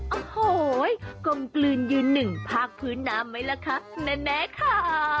โอ้โหกลมกลืนยืนหนึ่งภาคพื้นน้ำไหมล่ะคะแม่ค่ะ